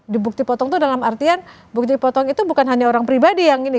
dibukti potong itu dalam artian bukti potong itu bukan hanya orang pribadi yang ini